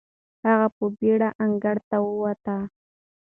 هغه په بېړه انګړ ته وووت.